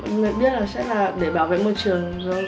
mọi người biết là sẽ là để bảo vệ môi trường